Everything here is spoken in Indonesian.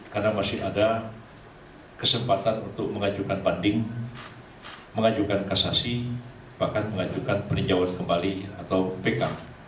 karena masih ada kesempatan untuk mengajukan banding mengajukan kasasi bahkan mengajukan peninjauan kembali atau pk